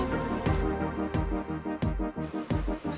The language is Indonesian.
nggak ada tuh